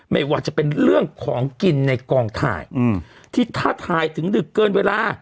ไม่ว่าจะเป็นเรื่องของกินในกองถ่ายที่ท่าถ่ายถึงดึกเกินเวลา